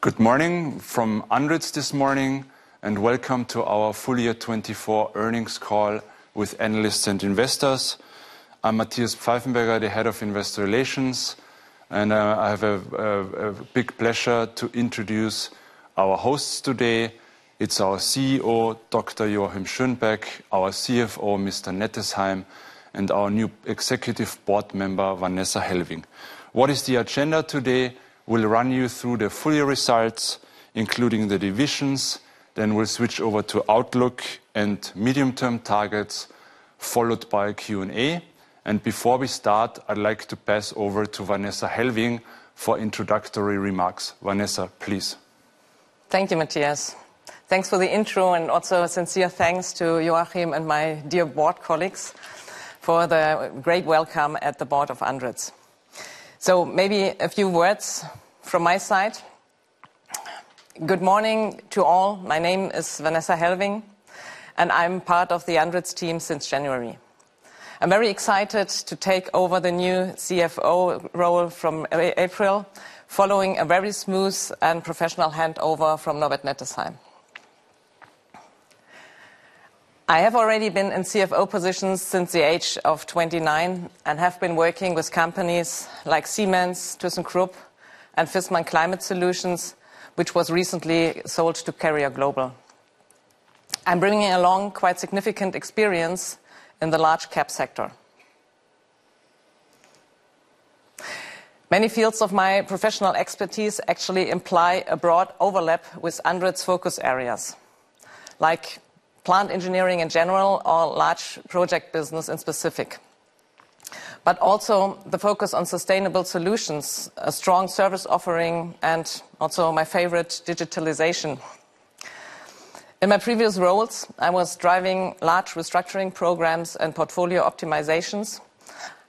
Good morning from ANDRITZ this morning, and welcome to our Full Year 2024 Earnings Call with analysts and investors. I'm Matthias Pfeifenberger, the Head of Investor Relations, and I have a big pleasure to introduce our hosts today. It's our CEO, Dr. Joachim Schönbeck, our CFO, Mr. Nettesheim, and our new executive board member, Vanessa Hellwing. What is the agenda today? We'll run you through the full year results, including the divisions. Then we'll switch over to Outlook and medium-term targets, followed by Q&A. Before we start, I'd like to pass over to Vanessa Hellwing for introductory remarks. Vanessa, please. Thank you, Matthias. Thanks for the intro, and also a sincere thanks to Joachim and my dear board colleagues for the great welcome at the board of ANDRITZ. So maybe a few words from my side. Good morning to all. My name is Vanessa Hellwing, and I'm part of the ANDRITZ team since January. I'm very excited to take over the new CFO role from April, following a very smooth and professional handover from Norbert Nettesheim. I have already been in CFO positions since the age of 29 and have been working with companies like Siemens, thyssenkrupp, and Viessmann Climate Solutions, which was recently sold to Carrier Global. I'm bringing along quite significant experience in the large-cap sector. Many fields of my professional expertise actually imply a broad overlap with ANDRITZ's focus areas, like plant engineering in general or large project business in specific, but also the focus on sustainable solutions, a strong service offering, and also my favorite, digitalization. In my previous roles, I was driving large restructuring programs and portfolio optimizations.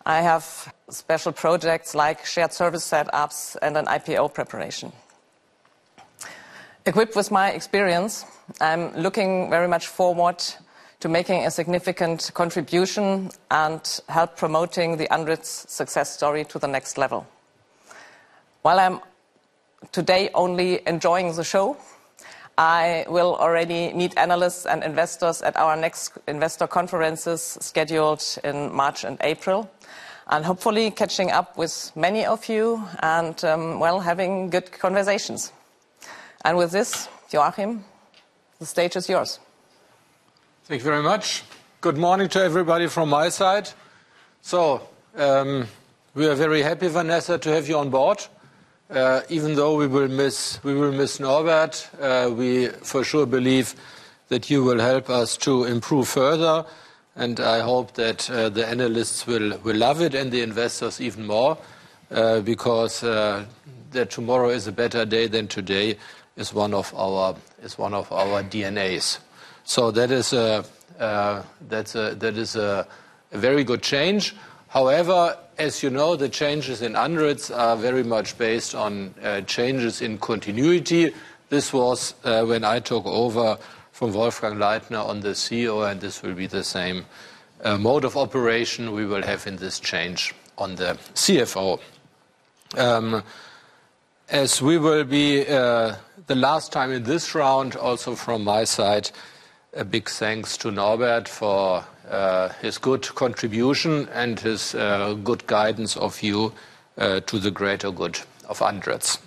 I have special projects like shared service setups and an IPO preparation. Equipped with my experience, I'm looking very much forward to making a significant contribution and help promoting the ANDRITZ success story to the next level. While I'm today only enjoying the show, I will already meet analysts and investors at our next investor conferences scheduled in March and April, and hopefully catching up with many of you and, well, having good conversations. And with this, Joachim, the stage is yours. Thank you very much. Good morning to everybody from my side. We are very happy, Vanessa, to have you on board. Even though we will miss Norbert, we for sure believe that you will help us to improve further, and I hope that the analysts will love it and the investors even more, because that tomorrow is a better day than today is one of our DNAs. That is a very good change. However, as you know, the changes in ANDRITZ are very much based on change and continuity. This was when I took over from Wolfgang Leitner as the CEO, and this will be the same mode of operation we will have in this change of the CFO. As we will be the last time in this round, also from my side, a big thanks to Norbert for his good contribution and his good guidance of you to the greater good of ANDRITZ.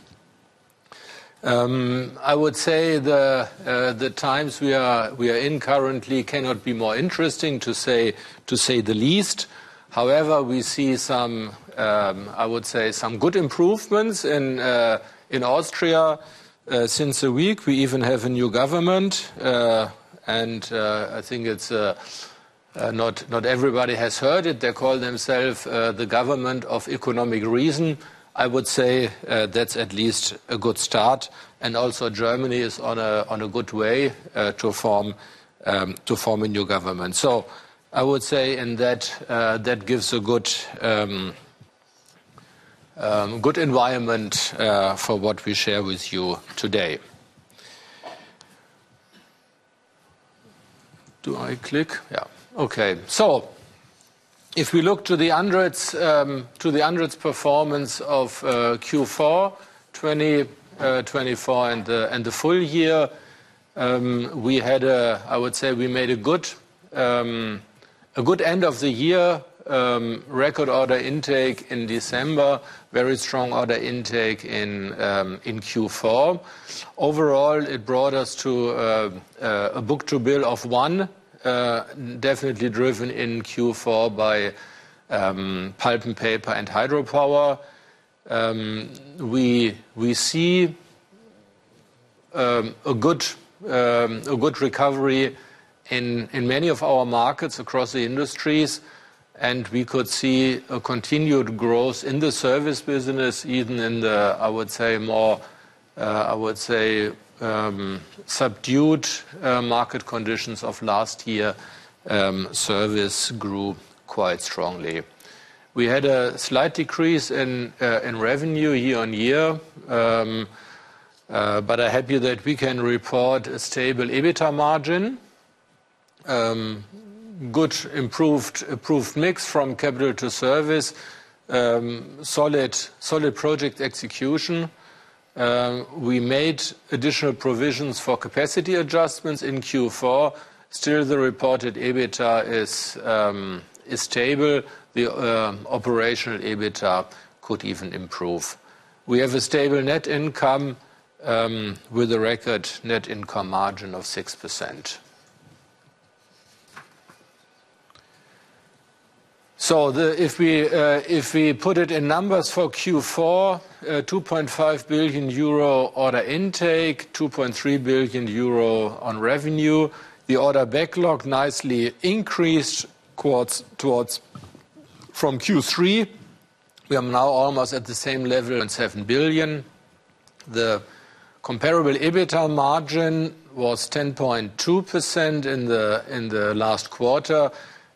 I would say the times we are in currently cannot be more interesting, to say the least. However, we see some, I would say, some good improvements in Austria since a week. We even have a new government, and I think it's not everybody has heard it. They call themselves the government of economic reason. I would say that's at least a good start. Also, Germany is on a good way to form a new government. I would say that gives a good environment for what we share with you today. Do I click? Yeah. OK. If we look to the ANDRITZ performance of Q4 2024 and the full year, we had, I would say, we made a good end of the year, record order intake in December, very strong order intake in Q4. Overall, it brought us to a book-to-bill of 1, definitely driven in Q4 by pulp and paper and hydropower. We see a good recovery in many of our markets across the industries, and we could see a continued growth in the service business, even in the, I would say, more subdued market conditions of last year. Service grew quite strongly. We had a slight decrease in revenue year on year, but I'm happy that we can report a stable EBITDA margin, good improved mix from capital to service, solid project execution. We made additional provisions for capacity adjustments in Q4. Still, the reported EBITDA is stable. The operational EBITDA could even improve. We have a stable net income with a record net income margin of 6%. So if we put it in numbers for Q4, 2.5 billion euro order intake, 2.3 billion euro on revenue. The order backlog nicely increased towards from Q3. We are now almost at the same level, 7 billion. The comparable EBITDA margin was 10.2% in the last quarter.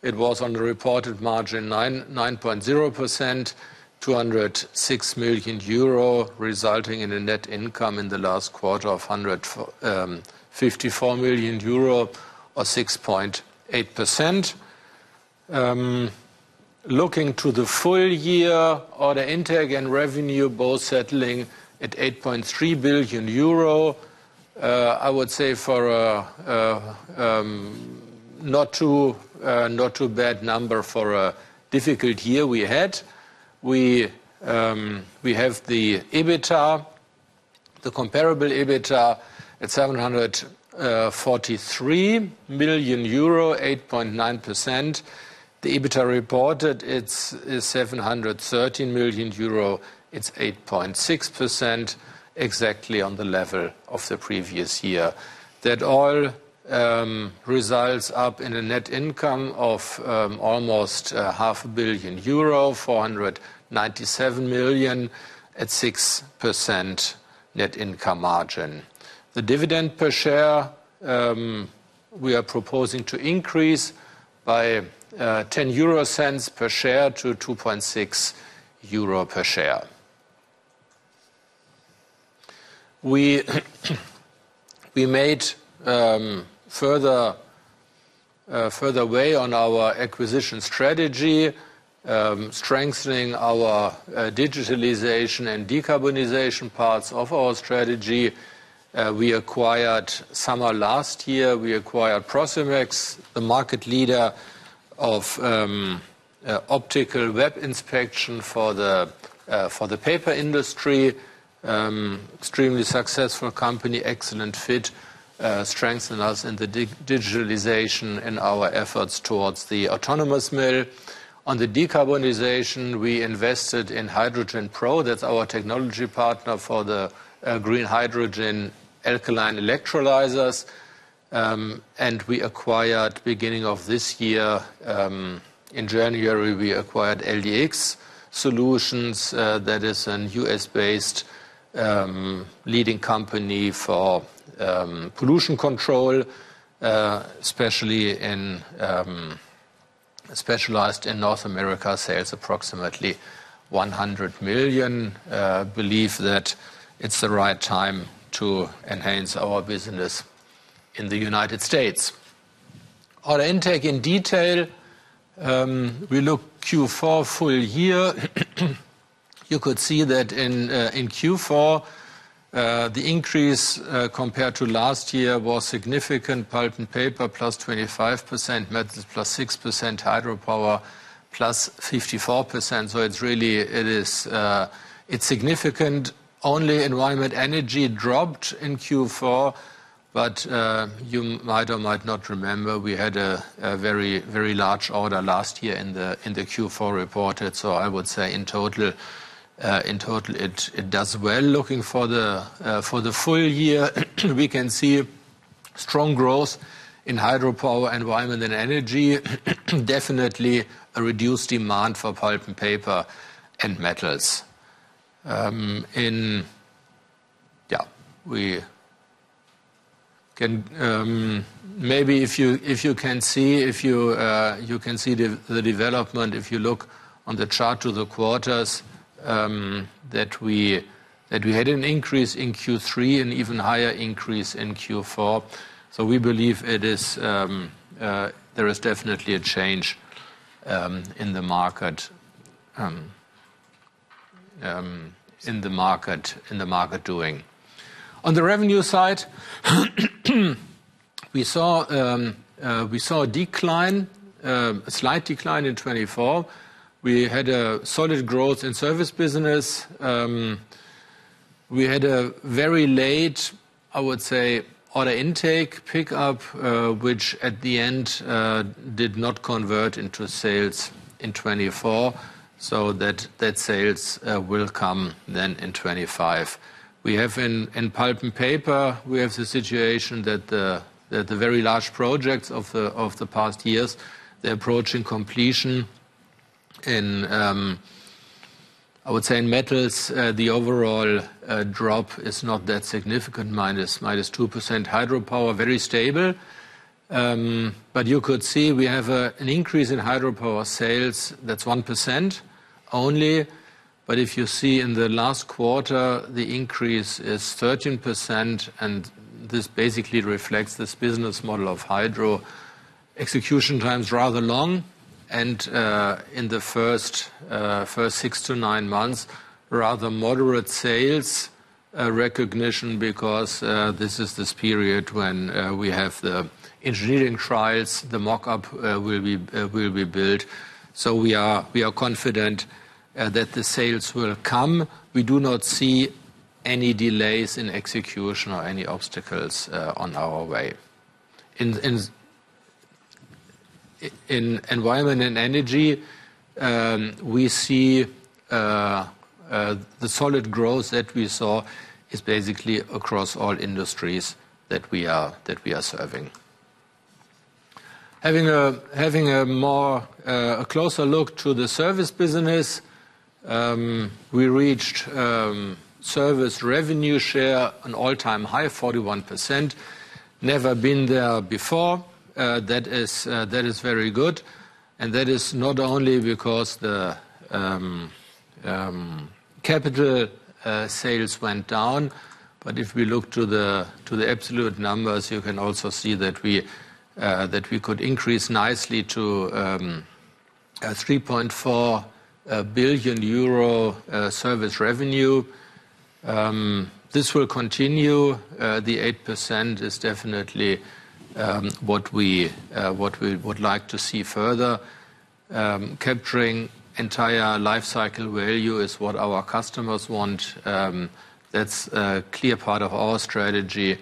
It was on the reported margin, 9.0%, 206 million euro, resulting in a net income in the last quarter of 154 million euro, or 6.8%. Looking to the full year, order intake and revenue both settling at 8.3 billion euro, I would say for a not too bad number for a difficult year we had. We have the EBITDA, the comparable EBITDA at 743 million euro, 8.9%. The EBITDA reported, it's 713 million euro, it's 8.6%, exactly on the level of the previous year. That all adds up in a net income of almost 500 million euro, 497 million at 6% net income margin. The dividend per share, we are proposing to increase by 10 euro per share to 2.6 euro per share. We made further headway on our acquisition strategy, strengthening our digitalization and decarbonization parts of our strategy. We acquired in summer last year Procemex, the market leader of optical web inspection for the paper industry, extremely successful company, excellent fit, strengthening us in the digitalization and our efforts towards the autonomous mill. On the decarbonization, we invested in HydrogenPro. That's our technology partner for the green hydrogen alkaline electrolyzers. And we acquired, beginning of this year, in January, we acquired LDX Solutions. That is a U.S.-based leading company for pollution control, specialized in North America, sells approximately $100 million. I believe that it's the right time to enhance our business in the United States. Order intake in detail, we look Q4 full year. You could see that in Q4, the increase compared to last year was significant. Pulp and paper plus 25%, metals plus 6%, hydropower plus 54%. So it's really, it's significant. Only environment energy dropped in Q4, but you might or might not remember, we had a very large order last year in the Q4 reported. So I would say in total, it does well. Looking for the full year, we can see strong growth in hydropower environment and energy, definitely a reduced demand for pulp and paper and metals. Maybe if you can see, if you can see the development, if you look on the chart to the quarters, that we had an increase in Q3 and even higher increase in Q4. So we believe there is definitely a change in the market doing. On the revenue side, we saw a decline, a slight decline in 2024. We had a solid growth in service business. We had a very late, I would say, order intake pickup, which at the end did not convert into sales in 2024. So that sales will come then in 2025. We have in pulp and paper, we have the situation that the very large projects of the past years, they're approaching completion. And I would say in metals, the overall drop is not that significant, minus 2%. Hydropower, very stable. But you could see we have an increase in hydropower sales. That's 1% only. But if you see in the last quarter, the increase is 13%. And this basically reflects this business model of hydro execution times rather long. In the first six to nine months, rather moderate sales recognition, because this is the period when we have the engineering trials, the mockup will be built. We are confident that the sales will come. We do not see any delays in execution or any obstacles on our way. In environment and energy, we see the solid growth that we saw is basically across all industries that we are serving. Having a closer look to the service business, we reached service revenue share an all-time high, 41%. Never been there before. That is very good. That is not only because the capital sales went down, but if we look to the absolute numbers, you can also see that we could increase nicely to 3.4 billion euro service revenue. This will continue. The 8% is definitely what we would like to see further. Capturing entire lifecycle value is what our customers want. That's a clear part of our strategy.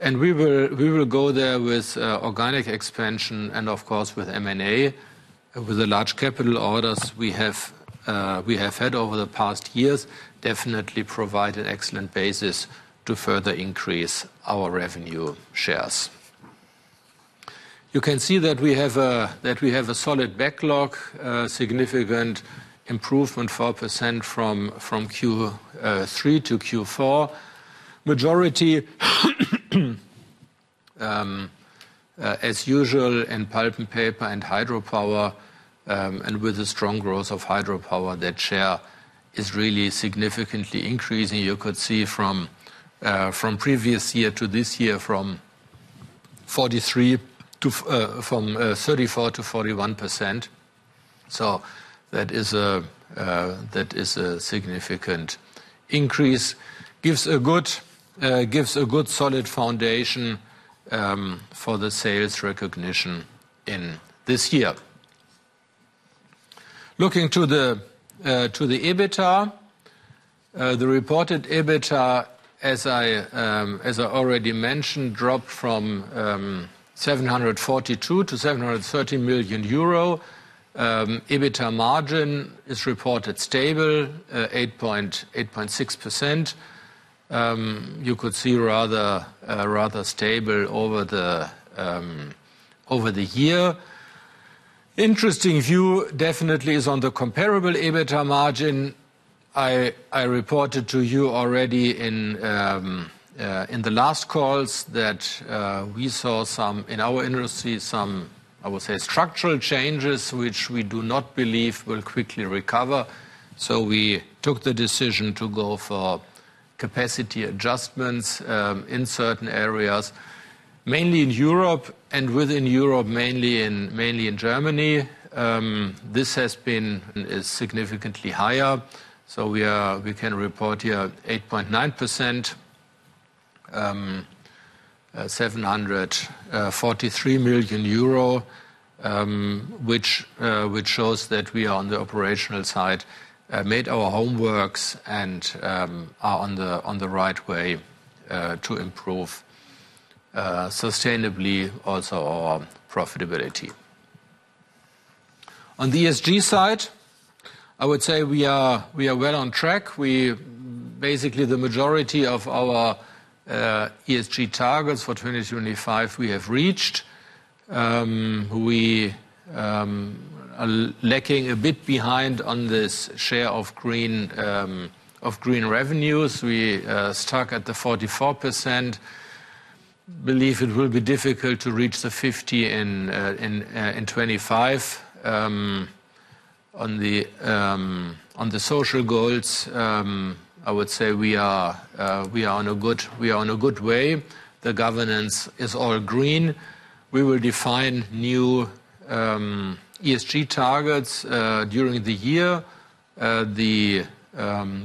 And we will go there with organic expansion and, of course, with M&A, with the large capital orders we have had over the past years, definitely provide an excellent basis to further increase our revenue shares. You can see that we have a solid backlog, significant improvement, 4% from Q3 to Q4. Majority as usual in pulp and paper and hydropower, and with a strong growth of hydropower, that share is really significantly increasing. You could see from previous year to this year from 34%-41%. So that is a significant increase. Gives a good solid foundation for the sales recognition in this year. Looking to the EBITDA, the reported EBITDA, as I already mentioned, dropped from 742 million-730 million euro. EBITDA margin is reported stable, 8.6%. You could see rather stable over the year. Interesting view definitely is on the comparable EBITDA margin. I reported to you already in the last calls that we saw in our industry some, I would say, structural changes, which we do not believe will quickly recover. So we took the decision to go for capacity adjustments in certain areas, mainly in Europe and within Europe, mainly in Germany. This has been significantly higher. So we can report here 8.9%, 743 million euro, which shows that we are on the operational side, made our homeworks, and are on the right way to improve sustainably also our profitability. On the ESG side, I would say we are well on track. Basically, the majority of our ESG targets for 2025 we have reached. We are lacking a bit behind on this share of green revenues. We stuck at the 44%. Believe it will be difficult to reach the 50 in 25. On the social goals, I would say we are on a good way. The governance is all green. We will define new ESG targets during the year. The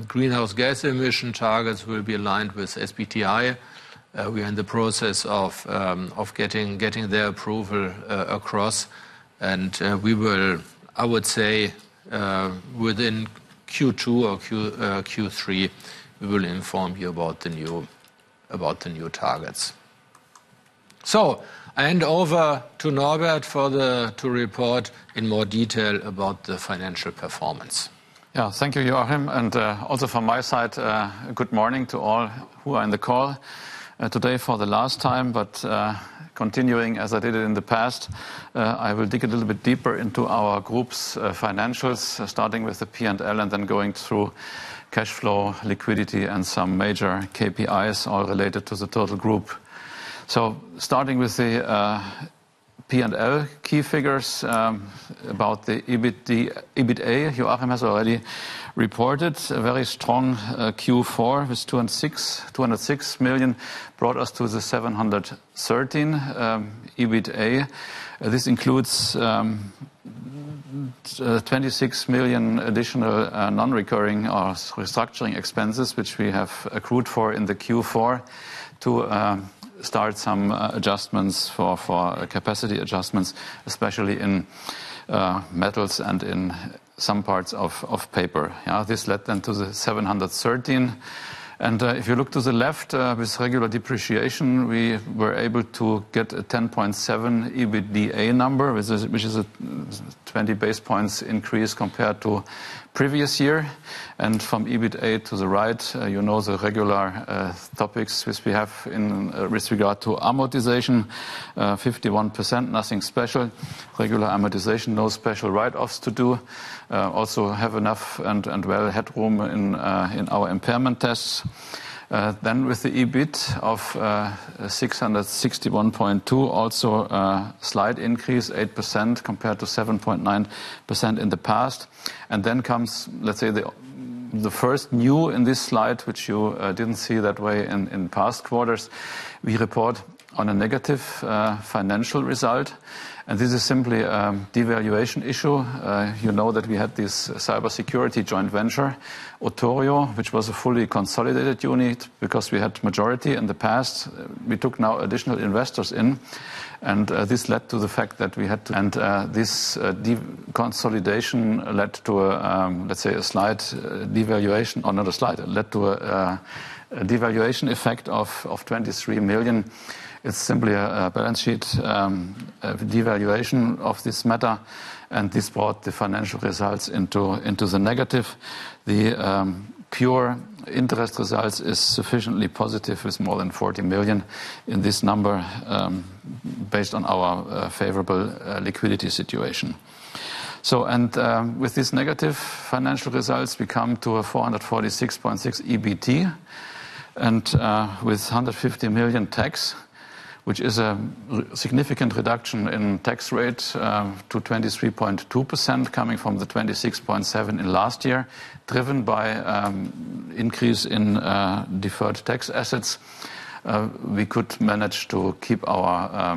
greenhouse gas emission targets will be aligned with SBTi. We are in the process of getting their approval across. And we will, I would say, within Q2 or Q3, we will inform you about the new targets. So I hand over to Norbert to report in more detail about the financial performance. Yeah. Thank you, Joachim. And also from my side, good morning to all who are in the call today for the last time. But continuing as I did it in the past, I will dig a little bit deeper into our group's financials, starting with the P&L and then going through cash flow, liquidity, and some major KPIs all related to the total group. So starting with the P&L key figures about the EBITDA, Joachim has already reported. Very strong Q4 with 206 million brought us to the 713 million EBITDA. This includes 26 million additional non-recurring or restructuring expenses, which we have accrued for in the Q4 to start some adjustments for capacity adjustments, especially in metals and in some parts of paper. This led then to the 713 million. And if you look to the left with regular depreciation, we were able to get a 10.7 EBITDA number, which is a 20 basis points increase compared to previous year. And from EBITDA to the right, you know the regular topics which we have in regard to amortization, 51%, nothing special. Regular amortization, no special write-offs to do. Also have enough and well headroom in our impairment tests. Then with the EBIT of 661.2 million, also a slight increase, 8% compared to 7.9% in the past. And then comes, let's say, the first new in this slide, which you didn't see that way in past quarters. We report on a negative financial result. And this is simply a devaluation issue. You know that we had this cybersecurity joint venture, OTORIO, which was a fully consolidated unit because we had majority in the past. We took now additional investors in. And this consolidation led to, let's say, a slight devaluation or not a slight, led to a devaluation effect of 23 million. It's simply a balance sheet devaluation of this matter. And this brought the financial results into the negative. The pure interest results is sufficiently positive with more than 40 million in this number based on our favorable liquidity situation. And with these negative financial results, we come to a 446.6 million EBITDA and with 150 million tax, which is a significant reduction in tax rate to 23.2% coming from the 26.7% in last year, driven by increase in deferred tax assets. We could manage to keep our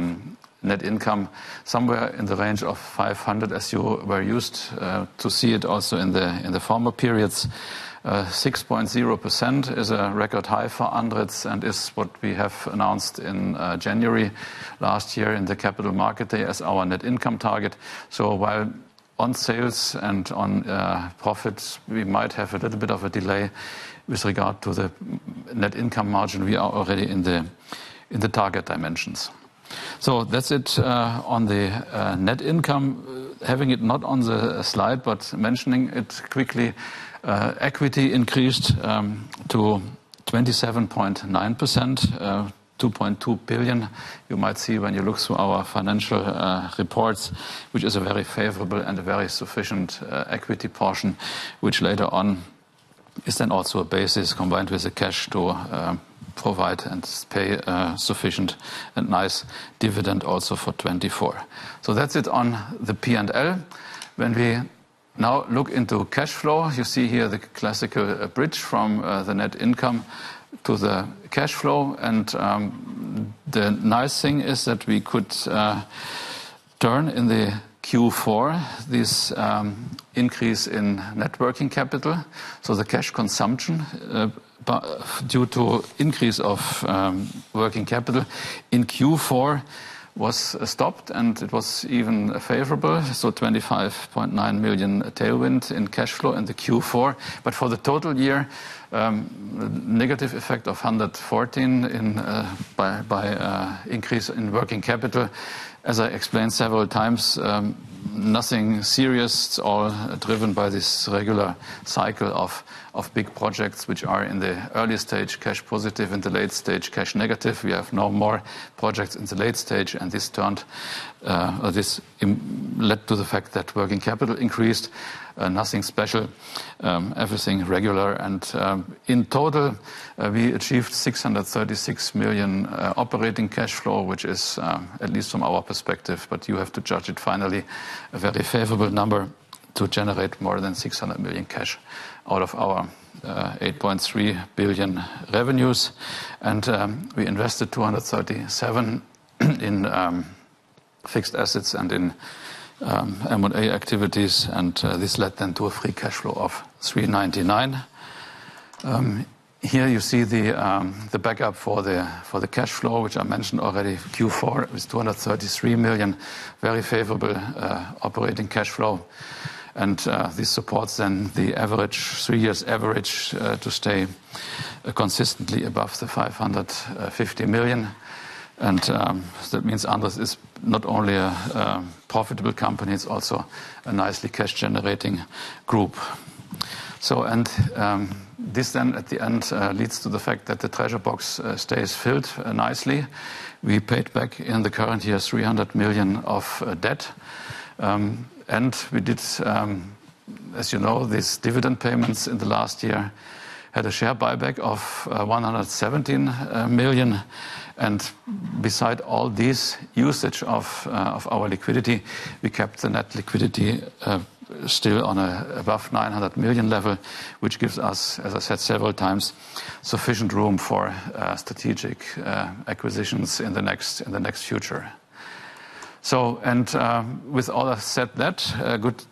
net income somewhere in the range of 500 million as you were used to see it also in the former periods. 6.0% is a record high for ANDRITZ and is what we have announced in January last year in the capital market day as our net income target. While on sales and on profits, we might have a little bit of a delay with regard to the net income margin, we are already in the target dimensions. That's it on the net income. Having it not on the slide, but mentioning it quickly, equity increased to 27.9%, 2.2 billion. You might see when you look through our financial reports, which is a very favorable and a very sufficient equity portion, which later on is then also a basis combined with the cash to provide and pay a sufficient and nice dividend also for 2024. That's it on the P&L. When we now look into cash flow, you see here the classical bridge from the net income to the cash flow. The nice thing is that we could turn in the Q4 this increase in net working capital. So the cash consumption due to increase of working capital in Q4 was stopped and it was even favorable. So 25.9 million tailwind in cash flow in the Q4. But for the total year, negative effect of 114 by increase in working capital. As I explained several times, nothing serious. It's all driven by this regular cycle of big projects, which are in the early stage cash positive and the late stage cash negative. We have no more projects in the late stage. And this led to the fact that working capital increased. Nothing special. Everything regular. And in total, we achieved 636 million operating cash flow, which is at least from our perspective. But you have to judge it finally, a very favorable number to generate more than 600 million cash out of our 8.3 billion revenues. And we invested 237 million in fixed assets and in M&A activities. This led then to a free cash flow of 399 million. Here you see the backup for the cash flow, which I mentioned already. Q4 was 233 million, very favorable operating cash flow. This supports then the average three years average to stay consistently above the 550 million. That means ANDRITZ is not only a profitable company, it's also a nicely cash generating group. This then at the end leads to the fact that the treasury box stays filled nicely. We paid back in the current year 300 million of debt. We did, as you know, these dividend payments in the last year had a share buyback of 117 million. Beside all this usage of our liquidity, we kept the net liquidity still on above 900 million level, which gives us, as I said several times, sufficient room for strategic acquisitions in the next future. With all that said, good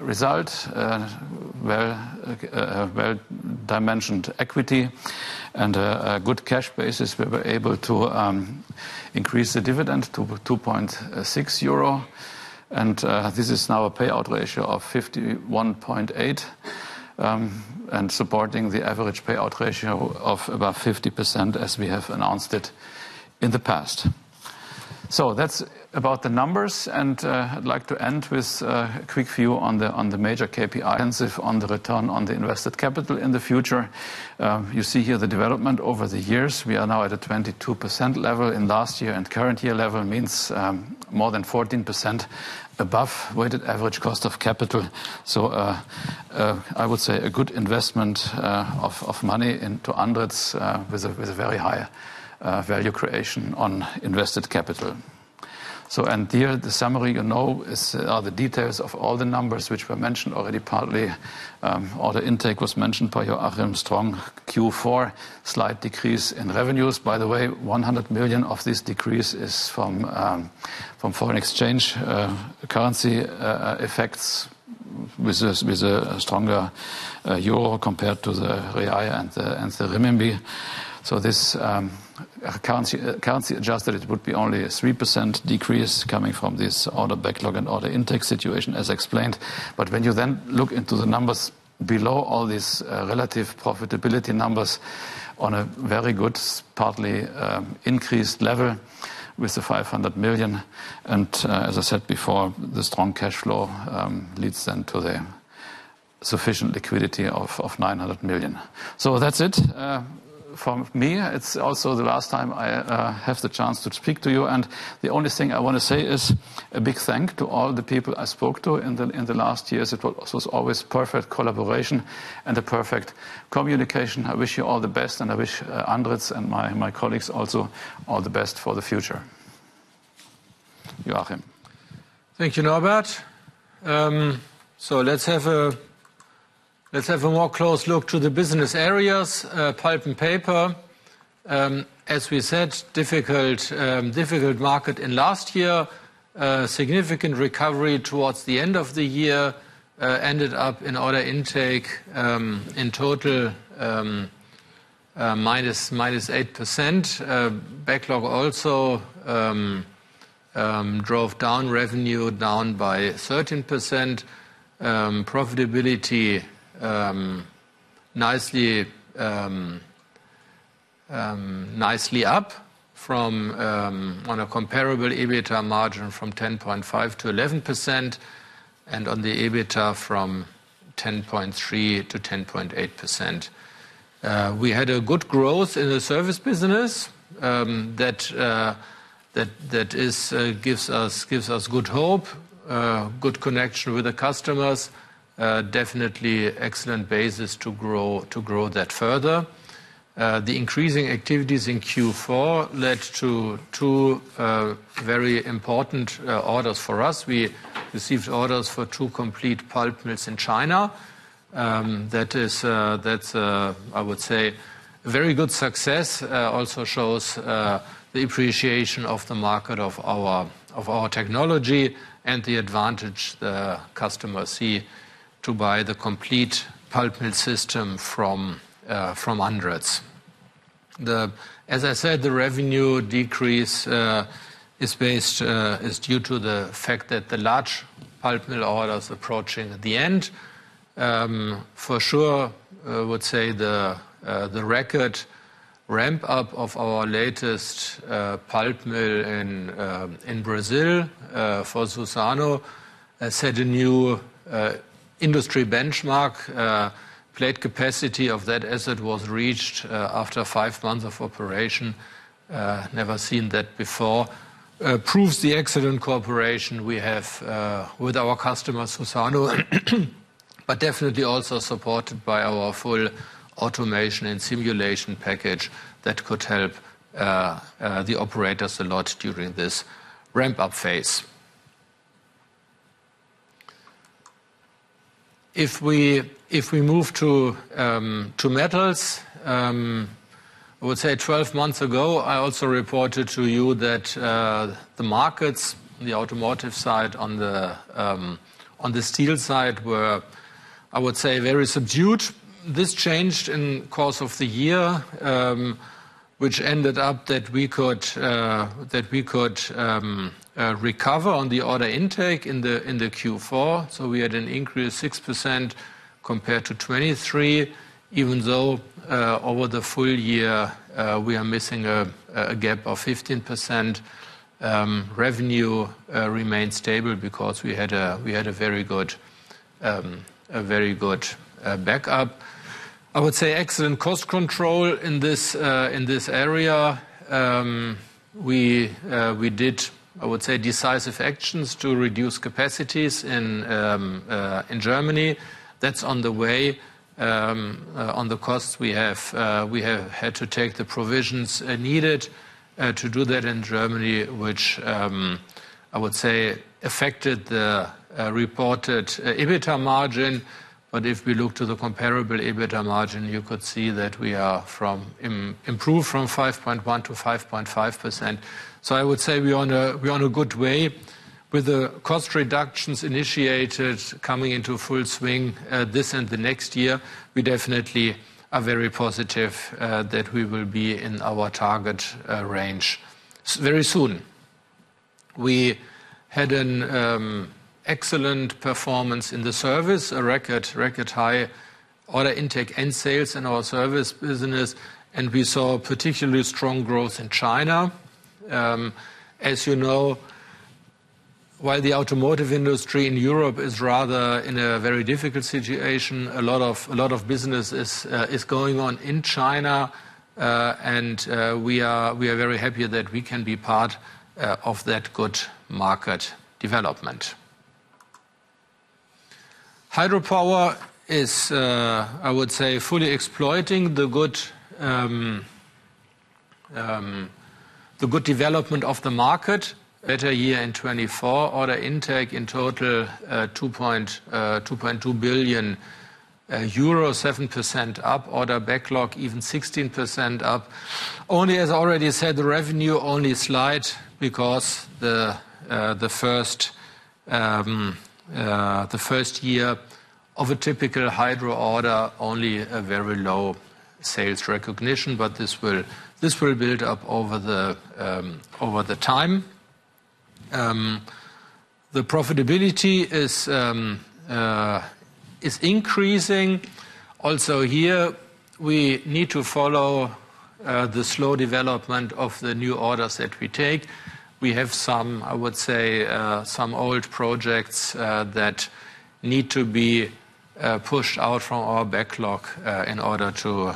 result, well-dimensioned equity, and a good cash basis, we were able to increase the dividend to 2.6 euro. This is now a payout ratio of 51.8% and supporting the average payout ratio of about 50% as we have announced it in the past. That's about the numbers. I'd like to end with a quick view on the major KPI. Intention on the return on the invested capital in the future. You see here the development over the years. We are now at a 22% level in last year and current year level, means more than 14% above weighted average cost of capital. I would say a good investment of money into ANDRITZ with a very high value creation on invested capital. Here, the summary you know are the details of all the numbers which were mentioned already partly. All the intake was mentioned by Joachim Schönbeck. Q4 [showed a] slight decrease in revenues. By the way, 100 million of this decrease is from foreign exchange currency effects with a stronger EUR compared to the BRL and the RMB. So this currency adjusted, it would be only a 3% decrease coming from this order backlog and order intake situation, as explained. But when you then look into the numbers below all these relative profitability numbers on a very good, partly increased level with the 500 million. And as I said before, the strong cash flow leads then to the sufficient liquidity of 900 million. So that's it from me. It's also the last time I have the chance to speak to you. And the only thing I want to say is a big thank you to all the people I spoke to in the last years. It was always perfect collaboration and a perfect communication. I wish you all the best. I wish ANDRITZ and my colleagues also all the best for the future. Joachim. Thank you, Norbert. Let's have a more close look to the business areas, pulp and paper. As we said, difficult market in last year, significant recovery towards the end of the year, ended up in order intake in total -8%. Backlog also drove down revenue down by 13%. Profitability nicely up from on a comparable EBITDA margin from 10.5%-11% and on the EBITDA from 10.3%-10.8%. We had a good growth in the service business. That gives us good hope, good connection with the customers, definitely excellent basis to grow that further. The increasing activities in Q4 led to two very important orders for us. We received orders for two complete pulp mills in China. That's, I would say, a very good success. Also shows the appreciation of the market of our technology and the advantage the customers see to buy the complete pulp mill system from ANDRITZ. As I said, the revenue decrease is due to the fact that the large pulp mill orders approaching the end. For sure, I would say the record ramp-up of our latest pulp mill in Brazil for Suzano set a new industry benchmark. Full capacity of that asset was reached after five months of operation. Never seen that before. Proves the excellent cooperation we have with our customer Suzano, but definitely also supported by our full automation and simulation package that could help the operators a lot during this ramp-up phase. If we move to metals, I would say 12 months ago, I also reported to you that the markets, the automotive side on the steel side, were, I would say, very subdued. This changed in the course of the year, which ended up that we could recover on the order intake in the Q4. So we had an increase of 6% compared to 2023, even though over the full year we are missing a gap of 15%. Revenue remained stable because we had a very good backlog. I would say excellent cost control in this area. We did, I would say, decisive actions to reduce capacities in Germany. That's on the way. On the costs, we have had to take the provisions needed to do that in Germany, which I would say affected the reported EBITDA margin. But if we look to the comparable EBITDA margin, you could see that we are improved from 5.1% to 5.5%. So I would say we are on a good way with the cost reductions initiated coming into full swing this and the next year. We definitely are very positive that we will be in our target range very soon. We had an excellent performance in the service, a record high order intake and sales in our service business. And we saw particularly strong growth in China. As you know, while the automotive industry in Europe is rather in a very difficult situation, a lot of business is going on in China. And we are very happy that we can be part of that good market development. Hydropower is, I would say, fully exploiting the good development of the market. Better year in 2024, order intake in total 2.2 billion euro, 7% up, order backlog even 16% up. Only, as I already said, the revenue only slid because the first year of a typical hydro order only has a very low sales recognition, but this will build up over time. The profitability is increasing. Also here, we need to follow the slow development of the new orders that we take. We have some, I would say, some old projects that need to be pushed out from our backlog in order to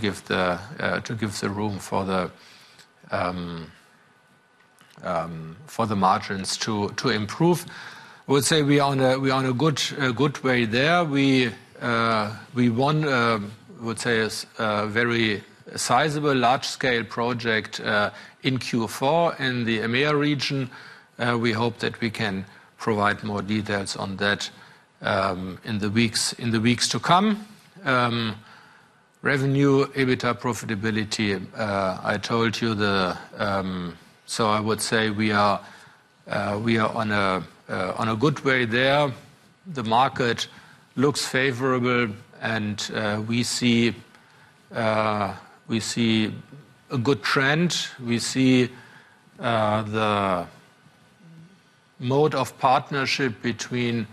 give room for the margins to improve. I would say we are on a good way there. We won, I would say, a very sizable large-scale project in Q4 in the EMEA region. We hope that we can provide more details on that in the weeks to come. Revenue, EBITDA, profitability. I told you, so I would say we are on a good way there. The market looks favorable and we see a good trend. We see the mode of partnership between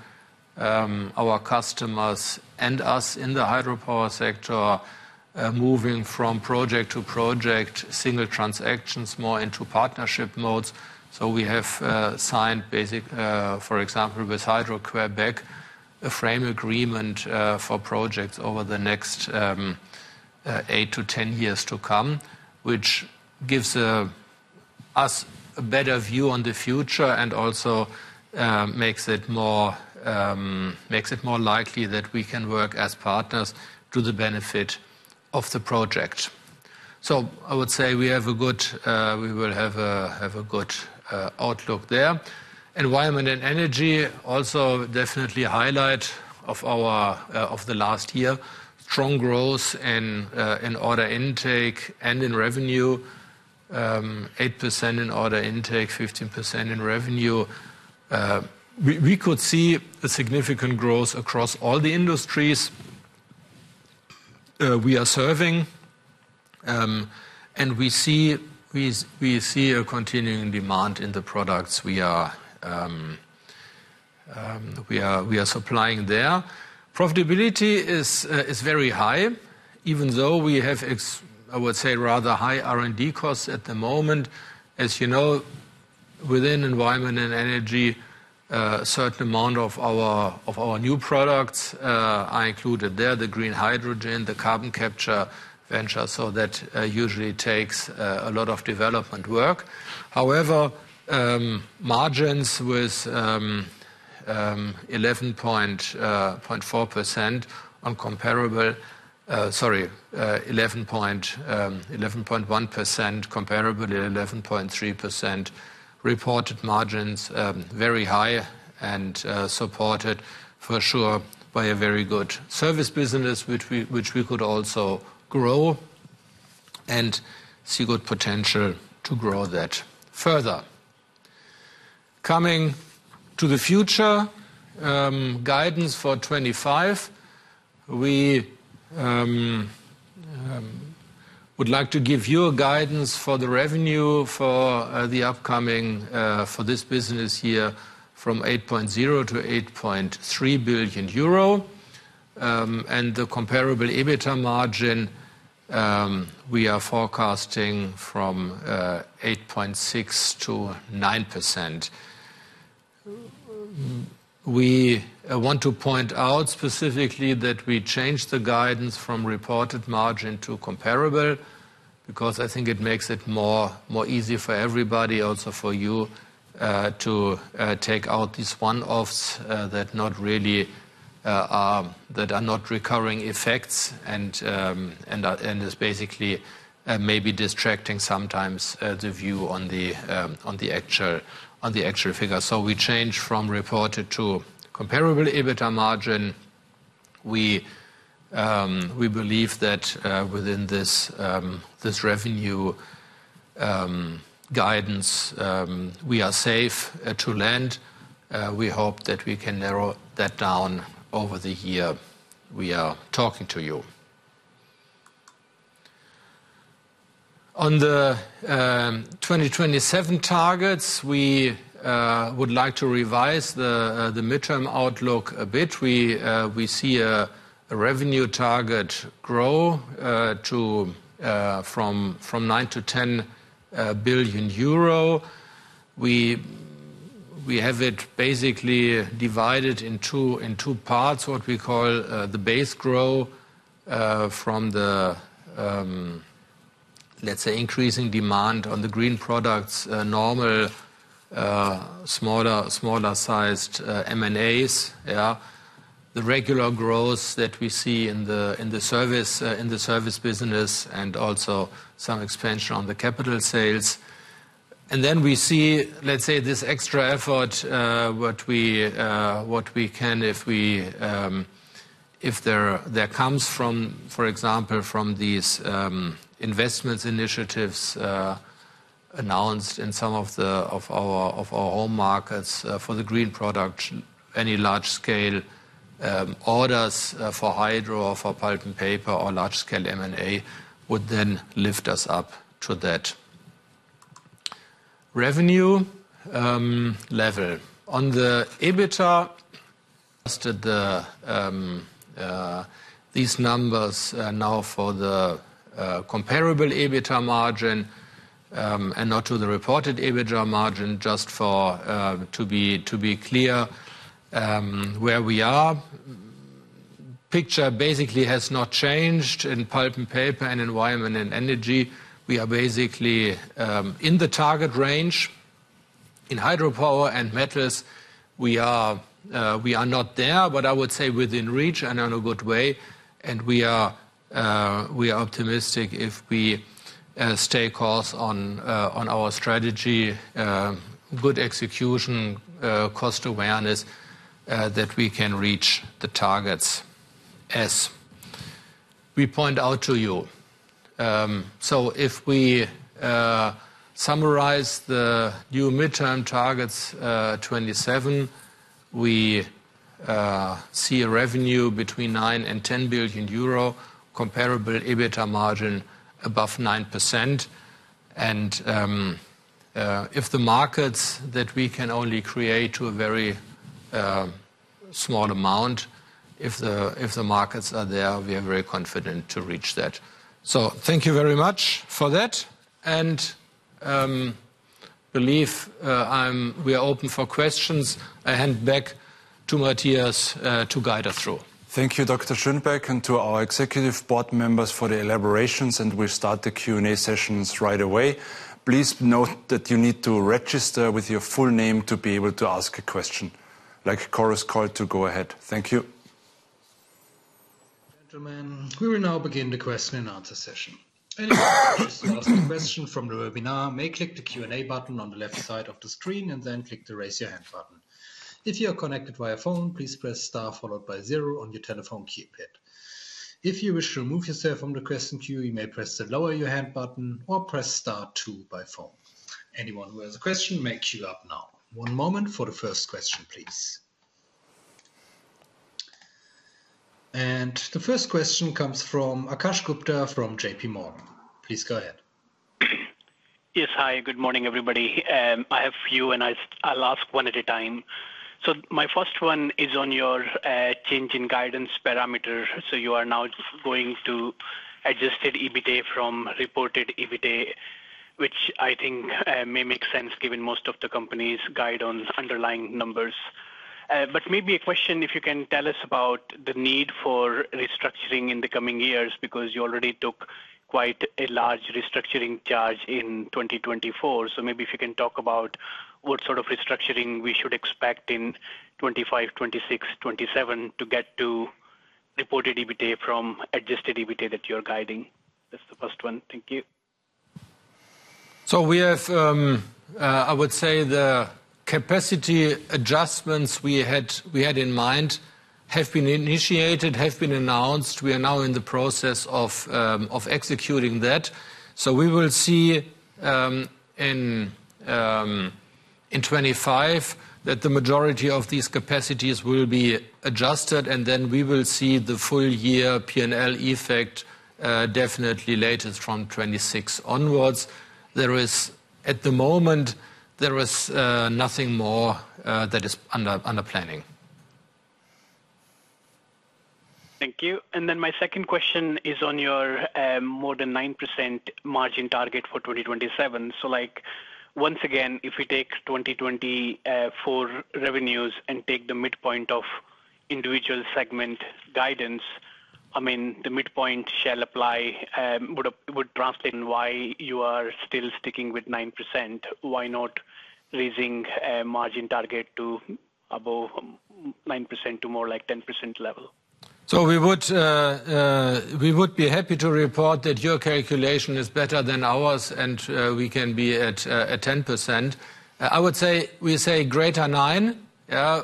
our customers and us in the hydropower sector moving from project to project, single transactions more into partnership modes. So we have signed, for example, with Hydro-Québec, a frame agreement for projects over the next eight to 10 years to come, which gives us a better view on the future and also makes it more likely that we can work as partners to the benefit of the project. So I would say we have a good outlook there. We will have a good outlook there. Environment and energy also definitely highlight of the last year, strong growth in order intake and in revenue, 8% in order intake, 15% in revenue. We could see a significant growth across all the industries we are serving. And we see a continuing demand in the products we are supplying there. Profitability is very high, even though we have, I would say, rather high R&D costs at the moment. As you know, within environment and energy, a certain amount of our new products, I included there, the green hydrogen, the carbon capture venture, so that usually takes a lot of development work. However, margins with 11.4% on comparable, sorry, 11.1%, comparable 11.3% reported margins, very high and supported for sure by a very good service business, which we could also grow and see good potential to grow that further. Coming to the future, guidance for 2025, we would like to give you guidance for the revenue for the upcoming business year from 8.0 billion-8.3 billion euro. The comparable EBITDA margin, we are forecasting from 8.6%-9%. We want to point out specifically that we changed the guidance from reported margin to comparable because I think it makes it more easy for everybody, also for you to take out these one-offs that are not recurring effects and is basically maybe distracting sometimes the view on the actual figure. So we changed from reported to comparable EBITDA margin. We believe that within this revenue guidance, we are safe to land. We hope that we can narrow that down over the year we are talking to you. On the 2027 targets, we would like to revise the midterm outlook a bit. We see a revenue target grow from 9 billion-10 billion euro. We have it basically divided in two parts, what we call the base growth from the, let's say, increasing demand on the green products, normal, smaller-sized M&As, the regular growth that we see in the service business and also some expansion on the capital sales, and then we see, let's say, this extra effort, what we can if there comes from, for example, from these investment initiatives announced in some of our home markets for the green products; any large-scale orders for hydro or for pulp and paper or large-scale M&A would then lift us up to that revenue level. On the EBITDA, adjusted these numbers now for the comparable EBITDA margin and not to the reported EBITDA margin, just to be clear where we are. The picture basically has not changed in pulp and paper and environment and energy. We are basically in the target range. In hydropower and metals, we are not there, but I would say within reach and in a good way. And we are optimistic if we stay course on our strategy, good execution, cost awareness that we can reach the targets as we point out to you. So if we summarize the new midterm targets 2027, we see a revenue between 9 billion and 10 billion euro, comparable EBITDA margin above 9%. And if the markets that we can only create to a very small amount, if the markets are there, we are very confident to reach that. So thank you very much for that. And I believe we are open for questions. I hand back to Matthias to guide us through. Thank you, Dr. Schönbeck, and to our executive board members for the elaborations. And we'll start the Q&A sessions right away. Please note that you need to register with your full name to be able to ask a question like a Chorus Call to go ahead. Thank you. Gentlemen, we will now begin the question and answer session. Anyone who wants to ask a question from the webinar may click the Q&A button on the left side of the screen and then click the raise your hand button. If you are connected via phone, please press star followed by zero on your telephone keypad. If you wish to remove yourself from the question queue, you may press the lower your hand button or press star two by phone. Anyone who has a question may queue up now. One moment for the first question, please. And the first question comes from Akash Gupta from JPMorgan. Please go ahead. Yes, hi. Good morning, everybody. I have a few, and I'll ask one at a time. So my first one is on your change in guidance parameter. So you are now going to adjusted EBITDA from reported EBITDA, which I think may make sense given most of the company's guide on underlying numbers. But maybe a question if you can tell us about the need for restructuring in the coming years because you already took quite a large restructuring charge in 2024. So maybe if you can talk about what sort of restructuring we should expect in 2025, 2026, 2027 to get to reported EBITDA from adjusted EBITDA that you're guiding. That's the first one. Thank you. So we have, I would say, the capacity adjustments we had in mind have been initiated, have been announced. We are now in the process of executing that. We will see in 2025 that the majority of these capacities will be adjusted. We will see the full year P&L effect definitely latest from 2026 onwards. At the moment, there is nothing more that is under planning. Thank you. My second question is on your more than 9% margin target for 2027. Once again, if we take 2024 revenues and take the midpoint of individual segment guidance, I mean, the midpoint shall apply, would translate. Why you are still sticking with 9%? Why not raising margin target to above 9% to more like 10% level? We would be happy to report that your calculation is better than ours, and we can be at 10%. I would say we say greater 9%.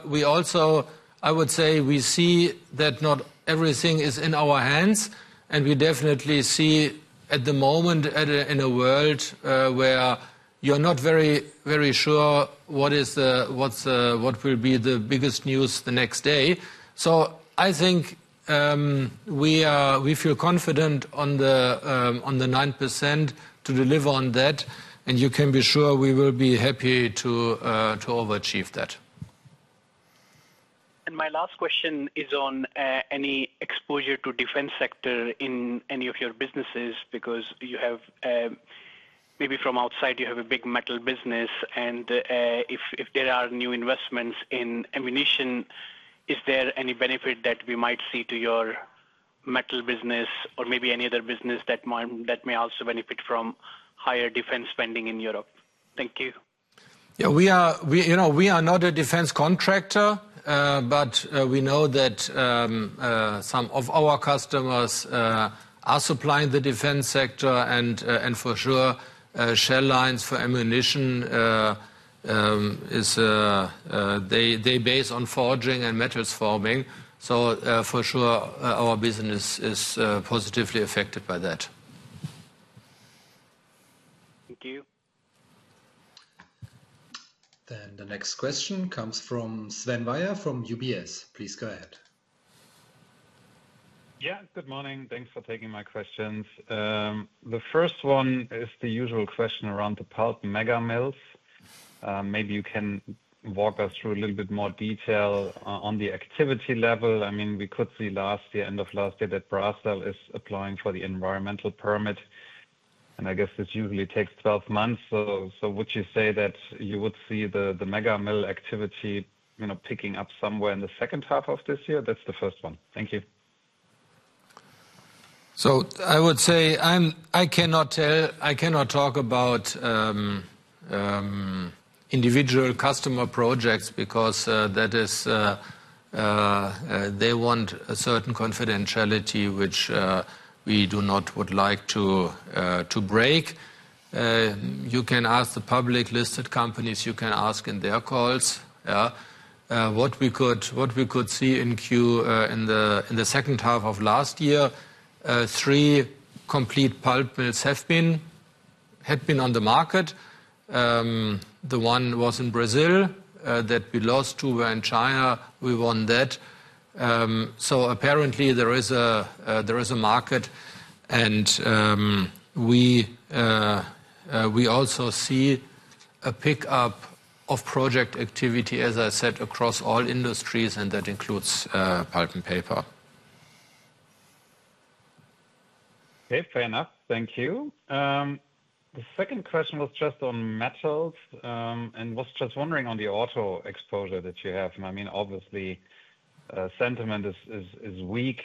We also, I would say we see that not everything is in our hands. And we definitely see at the moment in a world where you're not very sure what will be the biggest news the next day. So I think we feel confident on the 9% to deliver on that. And you can be sure we will be happy to overachieve that. And my last question is on any exposure to defense sector in any of your businesses because maybe from outside, you have a big metal business. And if there are new investments in ammunition, is there any benefit that we might see to your metal business or maybe any other business that may also benefit from higher defense spending in Europe? Thank you. Yeah, we are not a defense contractor, but we know that some of our customers are supplying the defense sector. And for sure, shell lines for ammunition, they base on forging and metals forming. So for sure, our business is positively affected by that. Thank you. Then the next question comes from Sven Weier from UBS. Please go ahead. Yeah, good morning. Thanks for taking my questions. The first one is the usual question around the pulp mega mills. Maybe you can walk us through a little bit more detail on the activity level. I mean, we could see last year, end of last year, that Bracell is applying for the environmental permit. And I guess this usually takes 12 months. So would you say that you would see the mega mill activity picking up somewhere in the second half of this year? That's the first one. Thank you. So I would say I cannot talk about individual customer projects because they want a certain confidentiality, which we do not would like to break. You can ask the public listed companies. You can ask in their calls. What we could see in the queue in the second half of last year, three complete pulp mills had been on the market. The one was in Brazil that we lost to. Were in China. We won that. So apparently, there is a market. And we also see a pickup of project activity, as I said, across all industries, and that includes pulp and paper. Okay, fair enough. Thank you. The second question was just on metals and was just wondering on the auto exposure that you have. I mean, obviously, sentiment is weak.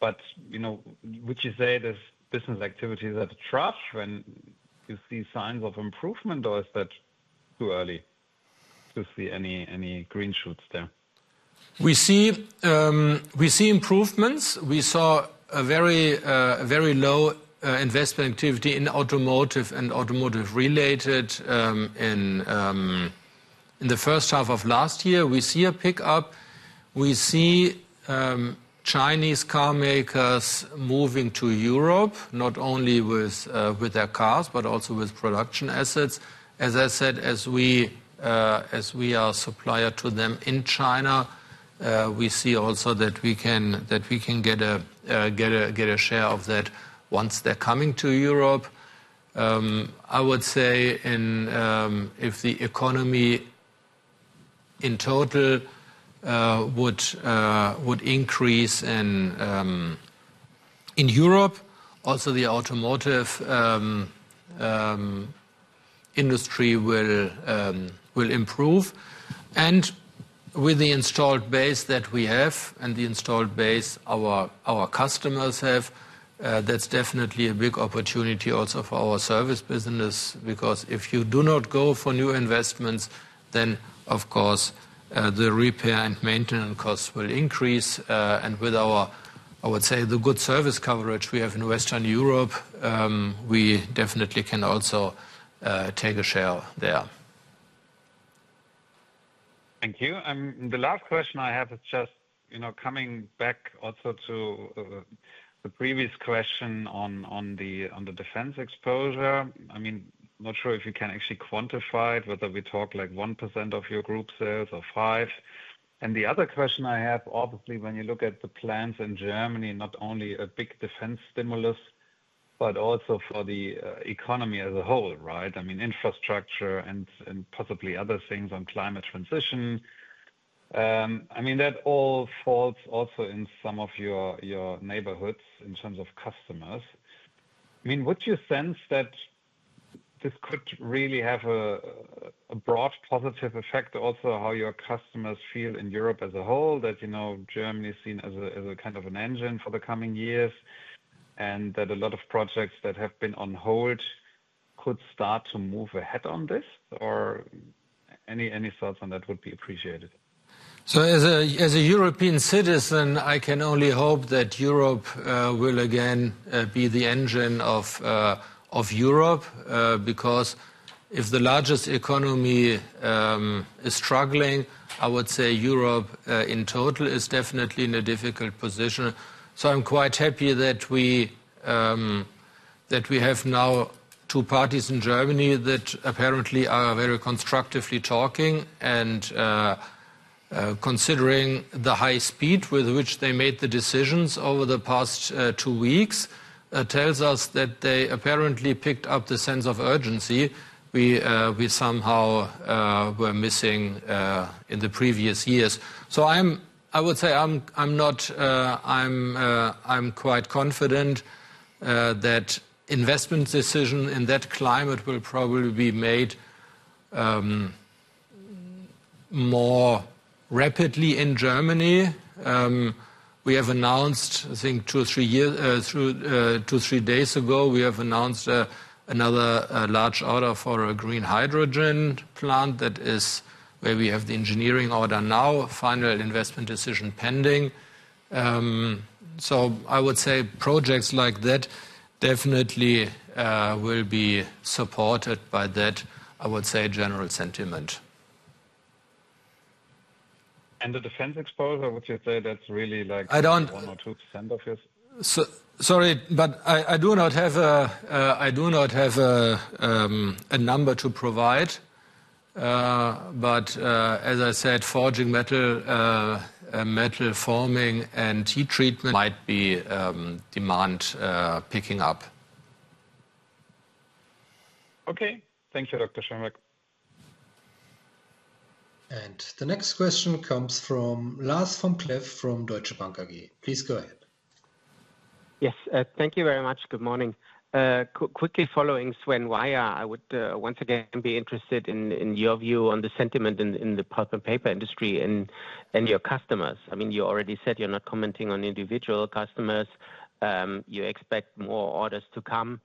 But would you say this business activity is at a trough when you see signs of improvement, or is that too early to see any green shoots there? We see improvements. We saw a very low investment activity in automotive and automotive-related in the first half of last year. We see a pickup. We see Chinese car makers moving to Europe, not only with their cars, but also with production assets. As I said, as we are a supplier to them in China, we see also that we can get a share of that once they're coming to Europe. I would say if the economy in total would increase in Europe, also the automotive industry will improve. And with the installed base that we have and the installed base our customers have, that's definitely a big opportunity also for our service business because if you do not go for new investments, then of course, the repair and maintenance costs will increase. And with our, I would say, the good service coverage we have in Western Europe, we definitely can also take a share there. Thank you. And the last question I have is just coming back also to the previous question on the defense exposure. I mean, not sure if you can actually quantify it, whether we talk like 1% of your group sales or 5%. And the other question I have, obviously, when you look at the plans in Germany, not only a big defense stimulus, but also for the economy as a whole, right? I mean, infrastructure and possibly other things on climate transition. I mean, that all falls also in some of your neighborhoods in terms of customers. I mean, would you sense that this could really have a broad positive effect also on how your customers feel in Europe as a whole, that Germany is seen as a kind of an engine for the coming years, and that a lot of projects that have been on hold could start to move ahead on this? Or any thoughts on that would be appreciated? So as a European citizen, I can only hope that Europe will again be the engine of Europe because if the largest economy is struggling, I would say Europe in total is definitely in a difficult position. So I'm quite happy that we have now two parties in Germany that apparently are very constructively talking. Considering the high speed with which they made the decisions over the past two weeks tells us that they apparently picked up the sense of urgency we somehow were missing in the previous years. So I would say I'm quite confident that investment decisions in that climate will probably be made more rapidly in Germany. We have announced, I think, two or three days ago, we have announced another large order for a green hydrogen plant that is where we have the engineering order now, final investment decision pending. So I would say projects like that definitely will be supported by that, I would say, general sentiment. And the defense exposure, would you say that's really like 1% or 2% of your? Sorry, but I do not have a number to provide. But as I said, forging metal, metal forming, and heat treatment might be demand picking up. Okay. Thank you, Dr. Schönbeck. And the next question comes from Lars Vom-Cleff from Deutsche Bank AG. Please go ahead. Yes. Thank you very much. Good morning. Quickly following Sven Weier, I would once again be interested in your view on the sentiment in the pulp and paper industry and your customers. I mean, you already said you're not commenting on individual customers. You expect more orders to come.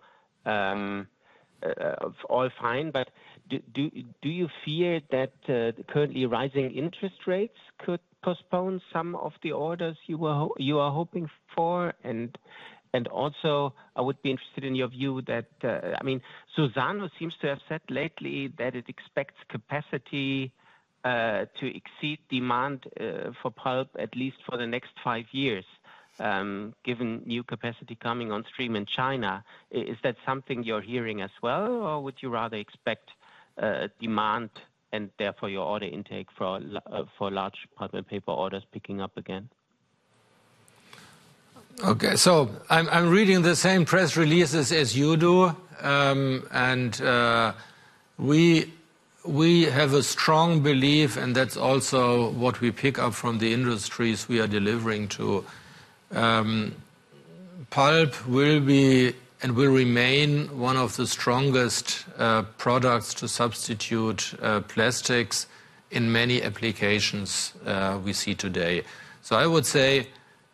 All fine. But do you fear that currently rising interest rates could postpone some of the orders you are hoping for? And also, I would be interested in your view that, I mean, Suzano seems to have said lately that it expects capacity to exceed demand for pulp at least for the next five years, given new capacity coming on stream in China. Is that something you're hearing as well, or would you rather expect demand and therefore your order intake for large pulp and paper orders picking up again? Okay. So I'm reading the same press releases as you do. And we have a strong belief, and that's also what we pick up from the industries we are delivering to. Pulp will be and will remain one of the strongest products to substitute plastics in many applications we see today. So I would say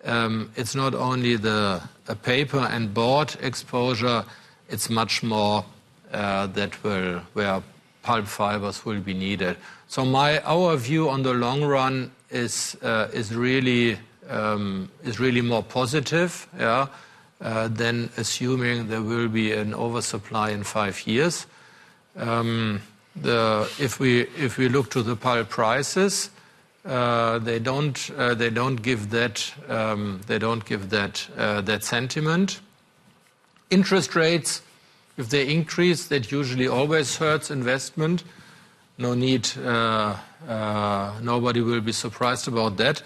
it's not only the paper and board exposure. It's much more that where pulp fibers will be needed. So our view on the long run is really more positive than assuming there will be an oversupply in five years. If we look to the pulp prices, they don't give that sentiment. Interest rates, if they increase, that usually always hurts investment. No need. Nobody will be surprised about that,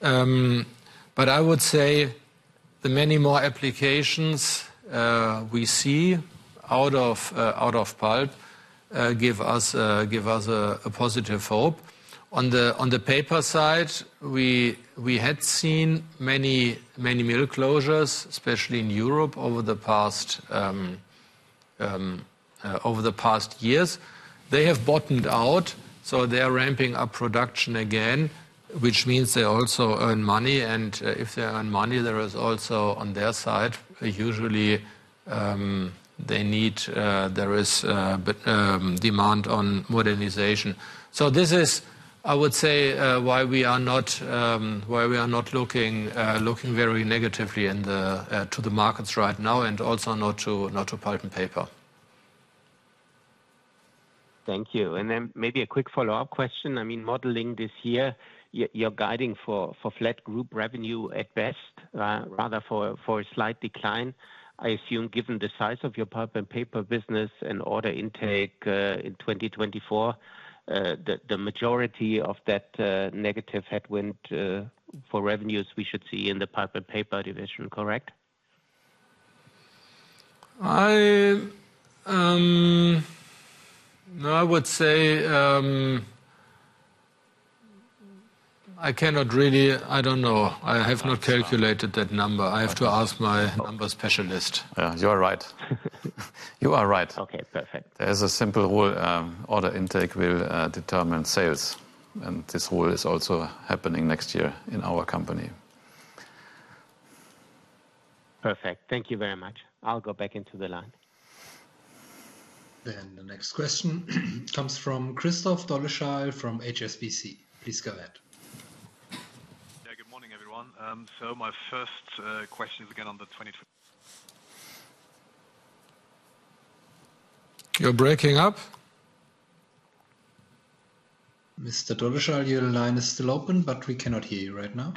but I would say the many more applications we see out of pulp give us a positive hope. On the paper side, we had seen many mill closures, especially in Europe over the past years. They have bottomed out, so they are ramping up production again, which means they also earn money, and if they earn money, there is also on their side, usually there is demand on modernization, so this is, I would say, why we are not looking very negatively to the markets right now and also not to pulp and paper. Thank you, and then maybe a quick follow-up question. I mean, modeling this year, you're guiding for flat group revenue at best, rather for a slight decline. I assume, given the size of your pulp and paper business and order intake in 2024, the majority of that negative headwind for revenues we should see in the pulp and paper division, correct? No, I would say I cannot really. I don't know. I have not calculated that number. I have to ask my number specialist. You are right. You are right. Okay, perfect. There is a simple rule. Order intake will determine sales, and this rule is also happening next year in our company. Perfect. Thank you very much. I'll go back into the line. Then the next question comes from Christoph Dolleschal from HSBC. Please go ahead. Yeah, good morning, everyone. So my first question is again on the. You're breaking up. Mr. Dolleschal, your line is still open, but we cannot hear you right now.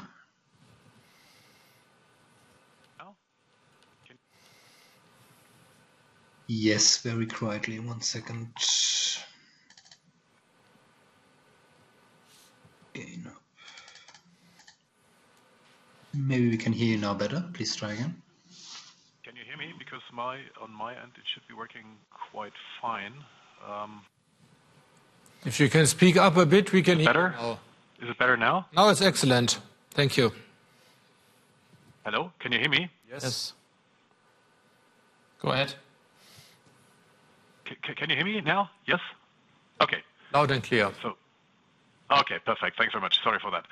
Yes, very quietly. One second. Okay, now. Maybe we can hear you now better. Please try again. Can you hear me? Because on my end, it should be working quite fine. If you can speak up a bit, we can hear you now. Is it better now? Now it's excellent. Thank you. Hello? Can you hear me? Yes. Go ahead. Can you hear me now? Yes? Okay. Loud and clear. Okay, perfect. Thanks very much. Sorry for that.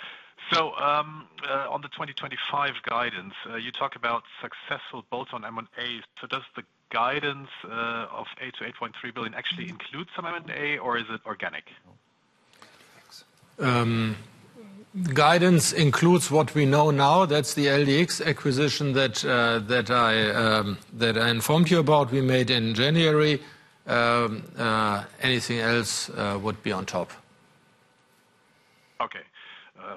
On the 2025 guidance, you talk about successful bolt-on M&A. So does the guidance of 8 billion-8.3 billion actually include some M&A, or is it organic? Guidance includes what we know now. That's the LDX acquisition that I informed you about, we made in January. Anything else would be on top. Okay.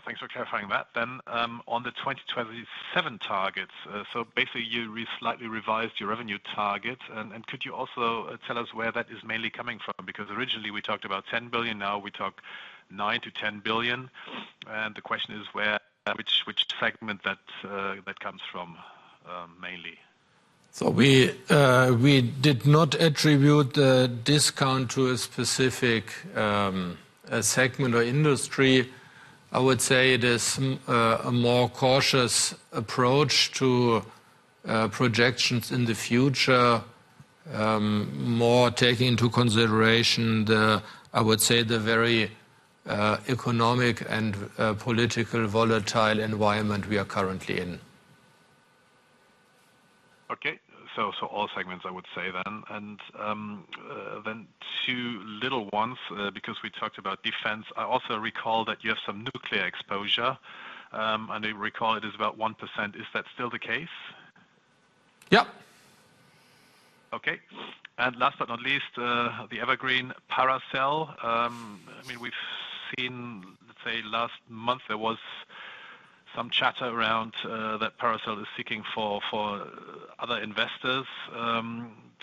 Thanks for clarifying that. On the 2027 targets, so basically, you slightly revised your revenue targets. Could you also tell us where that is mainly coming from? Because originally, we talked about 10 billion. Now we talk 9 billion-10 billion. The question is, which segment that comes from mainly? We did not attribute the discount to a specific segment or industry. I would say it is a more cautious approach to projections in the future, more taking into consideration, I would say, the very economic and political volatile environment we are currently in. Okay. All segments, I would say then. Then two little ones because we talked about defense. I also recall that you have some nuclear exposure. I recall it is about 1%. Is that still the case? Yep. Okay. Last but not least, the Evergreen Paracel. I mean, we've seen, let's say, last month, there was some chatter around that Paracel is seeking for other investors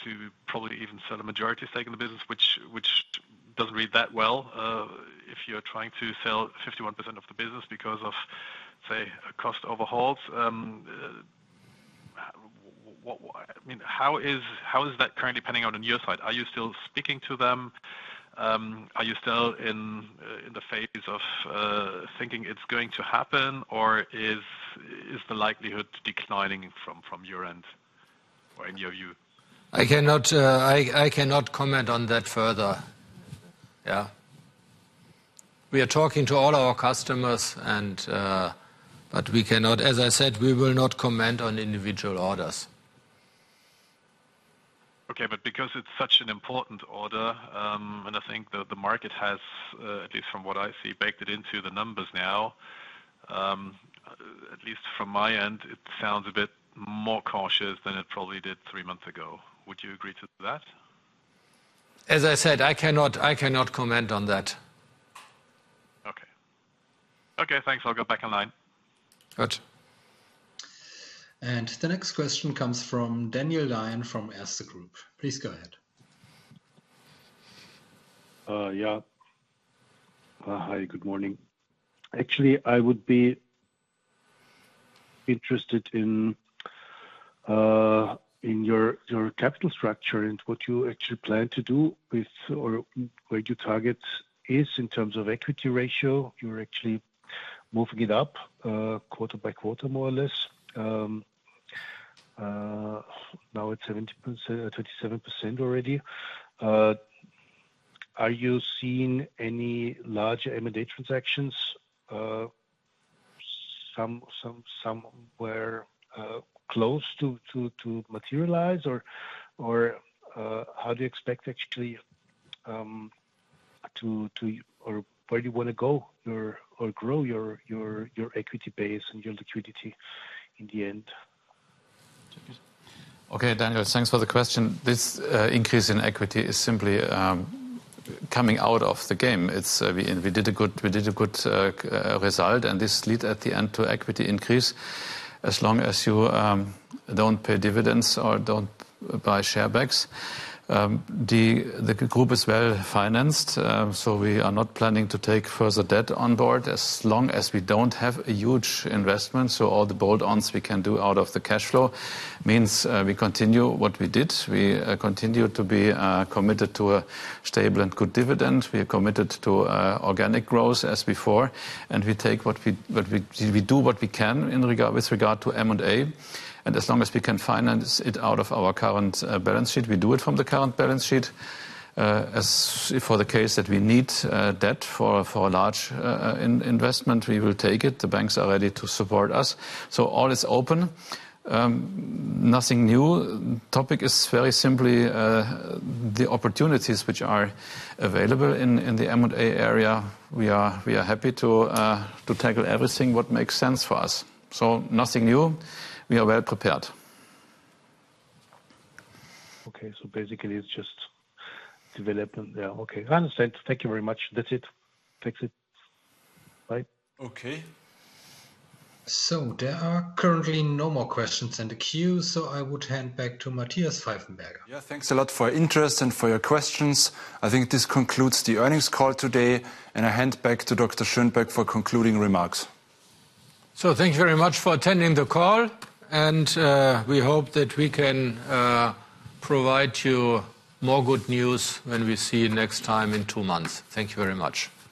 to probably even sell a majority stake in the business, which doesn't read that well if you're trying to sell 51% of the business because of, say, cost overhauls. I mean, how is that currently pending out on your side? Are you still speaking to them? Are you still in the phase of thinking it's going to happen, or is the likelihood declining from your end or in your view? I cannot comment on that further. Yeah. We are talking to all our customers, but we cannot, as I said, we will not comment on individual orders. Okay. But because it's such an important order, and I think the market has, at least from what I see, baked it into the numbers now, at least from my end, it sounds a bit more cautious than it probably did three months ago. Would you agree to that? As I said, I cannot comment on that. Okay. Okay. Thanks. I'll go back online. Good. And the next question comes from Daniel Lion from Erste Group. Please go ahead. Yeah. Hi, good morning. Actually, I would be interested in your capital structure and what you actually plan to do with or where your target is in terms of equity ratio. You're actually moving it up quarter by quarter, more or less. Now it's 27% already. Are you seeing any larger M&A transactions somewhere close to materialize, or how do you expect actually to, or where do you want to go or grow your equity base and your liquidity in the end? Okay, Daniel, thanks for the question. This increase in equity is simply coming out of the gain. We did a good result, and this led at the end to equity increase as long as you don't pay dividends or don't buy share buybacks. The group is well financed, so we are not planning to take further debt on board as long as we don't have a huge investment. So all the bolt-ons we can do out of the cash flow means we continue what we did. We continue to be committed to a stable and good dividend. We are committed to organic growth as before. We take what we do, what we can with regard to M&A. And as long as we can finance it out of our current balance sheet, we do it from the current balance sheet. For the case that we need debt for a large investment, we will take it. The banks are ready to support us. So all is open. Nothing new. The topic is very simply the opportunities which are available in the M&A area. We are happy to tackle everything what makes sense for us. So nothing new. We are well prepared. Okay. So basically, it's just development there. Okay. I understand. Thank you very much. That's it. That's it. Bye. Okay. So there are currently no more questions in the queue, so I would hand back to Matthias Pfeifenberger. Yeah, thanks a lot for your interest and for your questions. I think this concludes the earnings call today. And I hand back to Dr. Schönbeck for concluding remarks. So thank you very much for attending the call. And we hope that we can provide you more good news when we see you next time in two months. Thank you very much.